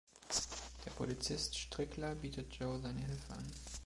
Der Polizist Strickler bietet Joe seine Hilfe an.